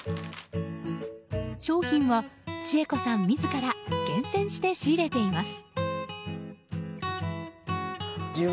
商品は千恵子さん自ら厳選して仕入れています。